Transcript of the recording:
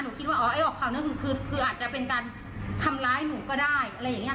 หนูคิดว่าออกข่าวหน้าหนึ่งคืออาจจะเป็นการทำร้ายหนูก็ได้